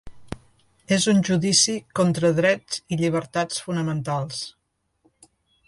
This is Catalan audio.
És un judici contra drets i llibertats fonamentals.